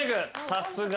さすが。